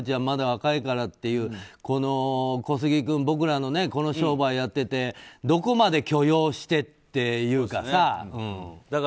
まだ若いからっていう小杉君、僕らのこの商売やっててどこまで許容してっていうかさ。